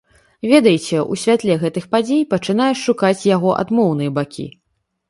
Ведаеце, у святле гэтых падзей пачынаеш шукаць яго адмоўныя бакі.